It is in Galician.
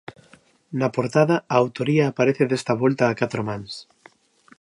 Na portada, a autoría aparece desta volta a catro mans.